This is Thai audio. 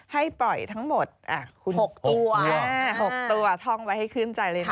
ให้ปล่อยทั้งหมด๖ตัว๖ตัวท่องไว้ให้ขึ้นใจเลยนะ